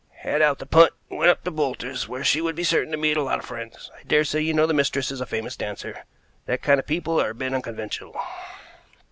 "Had out the punt and went up to Boulter's, where she would be certain to meet a lot of friends. I dare say you know the mistress is a famous dancer. That kind of people are a bit unconventional."